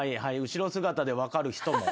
後ろ姿で分かる人も。